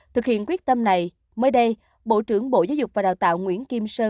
thực hiện quyết tâm này mới đây bộ trưởng bộ giáo dục và đào tạo nguyễn kim sơn